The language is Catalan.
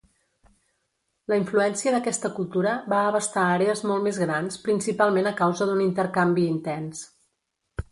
La influència d'aquesta cultura va abastar àrees molt més grans principalment a causa d'un intercanvi intens.